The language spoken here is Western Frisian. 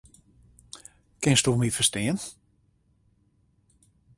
Kinsto my ferstean?